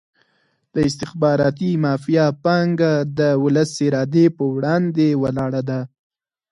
د استخباراتي مافیا پانګه د ولس ارادې په وړاندې ولاړه ده.